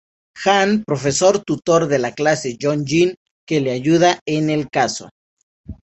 Han, profesor tutor de la clase Yoo-Jin, que le ayude en el caso.